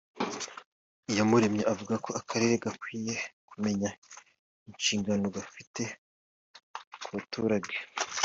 Iyamuremye avuga ko akarere gakwiye kumenya inshingano gafite ku baturage